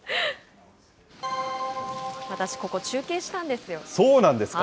私ここ、中継したんですよ。